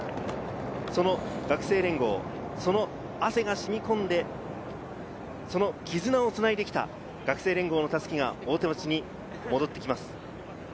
学生連合、汗が染み込んで、絆を繋いできた学生連合の襷が、大手町に戻ってきます。